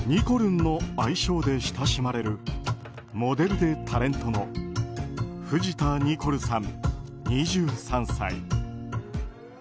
こるんの愛称で親しまれるモデルでタレントの藤田ニコルさん、２３歳。